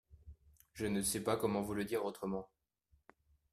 Je ne sais pas comment vous le dire autrement.